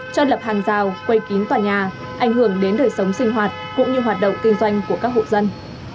cho lập hàng rào quây kín tòa nhà ảnh hưởng đến đời sống sinh hoạt cũng như hoạt động kinh doanh của các hộ dân